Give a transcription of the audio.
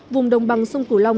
vùng đồng bằng sông cửu long